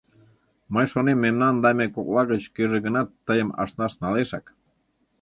Мый шонем, мемнан даме кокла гыч кӧжӧ-гынат тыйым ашнаш налешак.